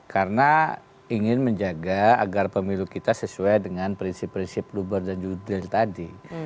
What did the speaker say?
karena ingin menjaga agar pemilu kita sesuai dengan prinsip prinsip luber dan judel tadi